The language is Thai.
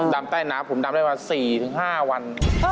ดำใต้น้ำผมดำได้มา๔๕วัน